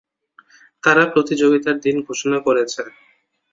তারা প্রতিযোগিতার দিন ঘোষণা করেছে।